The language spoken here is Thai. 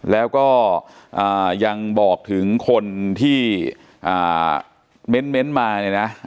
แล้วก็ยังบอกถึงคนที่เม้นต์มาเนี่ยนะ